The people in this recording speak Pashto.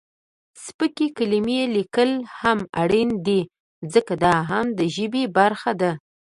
سپکې کلمې لیکل هم اړین دي ځکه، دا هم د ژبې برخه ده.